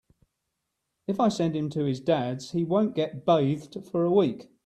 If I send him to his Dad’s he won’t get bathed for a week.